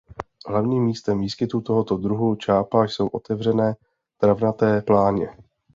Hlavním místem výskytu tohoto druhu čápa jsou otevřené travnaté pláně.